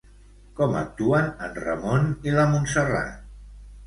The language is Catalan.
Com actuen en Ramon i la Montserrat?